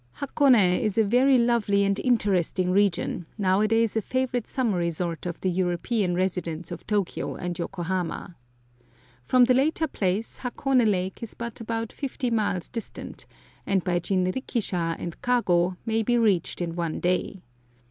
Hakone is a very lovely and interesting region, nowadays a favorite summer resort of the European residents of Tokio and Yokohama. From the latter place Hakone Lake is but about fifty miles distant, and by jinrikisha and kago may be reached in one day.